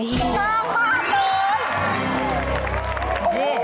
สร้างบ้านเลย